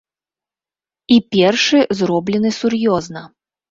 І першы, зроблены сур'ёзна.